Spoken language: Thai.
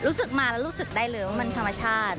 รู้สึกมาแล้วรู้สึกได้เลยว่ามันธรรมชาติ